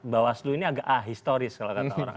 bawaslu ini agak ahistoris kalau kata orang